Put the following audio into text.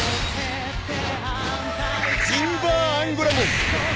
ジンバーアンゴラモン！